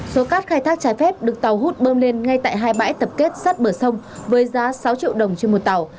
số cát khai thác trái phép được tàu hút bơm lên ngay tại hai bãi tập kết sát bờ sông với giá sáu triệu đồng trên một tàu